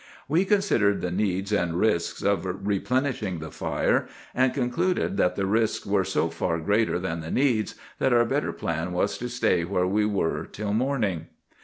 "We considered the needs and risks of replenishing the fire, and concluded that the risks were so far greater than the needs, that our better plan was to stay where we were till morning.